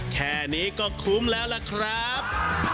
แค่นี้ก็คุ้มแล้วล่ะครับ